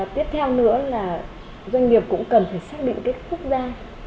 tiếp theo nữa là doanh nghiệp cũng cần phải xác định cái phức gia